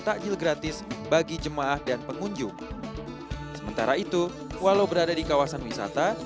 takjil gratis bagi jemaah dan pengunjung sementara itu walau berada di kawasan wisata